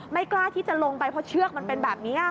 กล้าที่จะลงไปเพราะเชือกมันเป็นแบบนี้